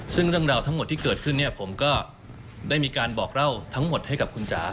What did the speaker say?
ซึ่งเรื่องราวทั้งหมดที่เกิดขึ้นเนี่ยผมก็ได้มีการบอกเล่าทั้งหมดให้กับคุณจ๋า